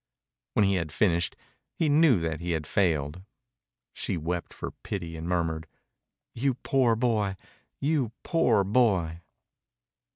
When he had finished he knew that he had failed. She wept for pity and murmured, "You poor boy.... You poor boy!"